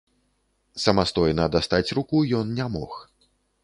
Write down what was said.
Самастойна дастаць руку ён не мог.